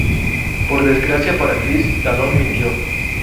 Por desgracia para Chris, Talon mintió.